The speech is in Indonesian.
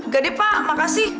gak deh pak makasih